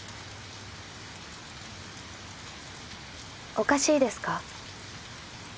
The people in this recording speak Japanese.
おかしいですか？